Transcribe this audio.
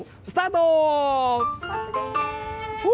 スタート。